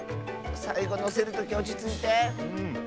さいごのせるときおちついて。